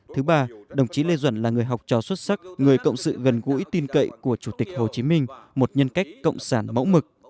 thứ ba đồng chí lê duẩn là người học trò xuất sắc người cộng sự gần gũi tin cậy của chủ tịch hồ chí minh một nhân cách cộng sản mẫu mực